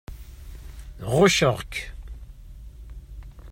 Ɣucceɣ-k.